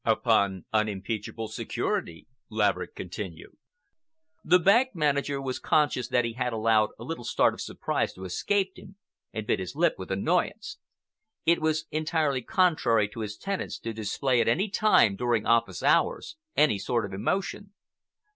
"Upon unimpeachable security," Laverick continued. The bank manager was conscious that he had allowed a little start of surprise to escape him, and bit his lip with annoyance. It was entirely contrary to his tenets to display at any time during office hours any sort of emotion.